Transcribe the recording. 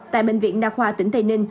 tại bệnh viện đa khoa tỉnh tây ninh